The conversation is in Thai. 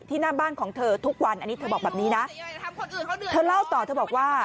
หน้าบ้านของเธอทุกวันอันนี้เธอบอกแบบนี้นะเธอเล่าต่อเธอบอกว่า